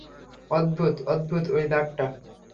অদ্ভুত, অদ্ভূত ওই দাগটা।